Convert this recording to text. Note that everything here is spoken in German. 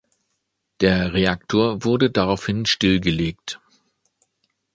Der Reaktor wurde daraufhin stillgelegt.